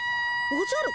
おじゃる？